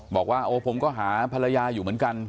บอกว่าโอ้ผมก็หาภรรยาอยู่เหมือนกัน